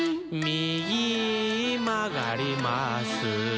「みぎまがります」